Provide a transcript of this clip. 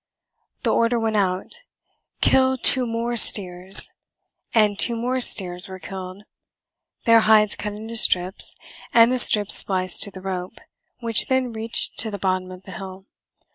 The order went out: "Kill two more steers!" And two more steers were killed, their hides cut into strips and the strips spliced to the rope, which then reached to the bottom of the hill.